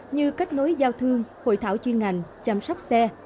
như kết nối giao thương hội thảo chuyên ngành chăm sóc xe